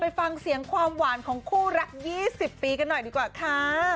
ไปฟังเสียงความหวานของคู่รัก๒๐ปีกันหน่อยดีกว่าค่ะ